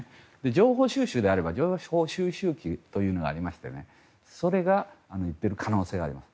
情報収集であれば情報収集機というのがありましてそれが行っている可能性があります。